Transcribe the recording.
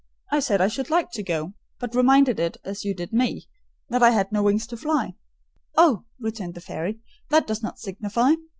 I said I should like to go; but reminded it, as you did me, that I had no wings to fly. "'Oh,' returned the fairy, 'that does not signify!